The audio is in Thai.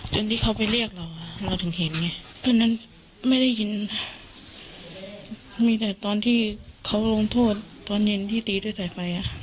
ที่เขาไปเรียกเราเราถึงเห็นไงตอนนั้นไม่ได้ยินมีแต่ตอนที่เขาลงโทษตอนเย็นที่ตีด้วยสายไฟ